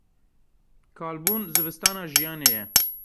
Kalbûn, zivistana jiyanê ye.